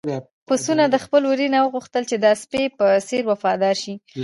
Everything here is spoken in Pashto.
پسونو د خپل وري نه وغوښتل چې د سپي په څېر وفادار شي.